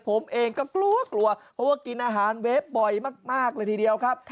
ผมเองก็กลัวกลัวเพราะว่ากินอาหารเวฟบ่อยมากเลยทีเดียวครับ